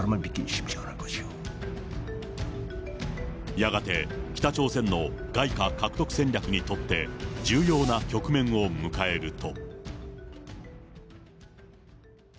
やがて北朝鮮の外貨獲得戦略にとって、重要な局面を迎えると。